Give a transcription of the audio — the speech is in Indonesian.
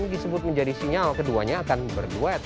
disebut menjadi sinyal keduanya akan berduet